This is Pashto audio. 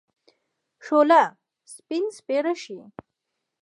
شوله! سپين سپيره شې.